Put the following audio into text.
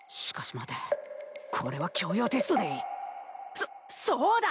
そそうだ！